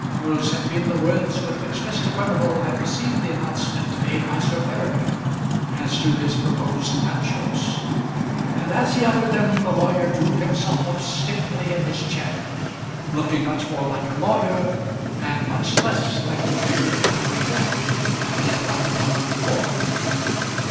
Those had been the words with which Mr. Furnival had received the announcement made by Sir Peregrine as to his proposed nuptials. And as he uttered them the lawyer drew himself up stiffly in his chair, looking much more like a lawyer and much less like an old family friend than he had done the moment before.